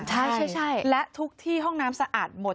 ใช่และทุกที่ห้องน้ำสะอาดหมด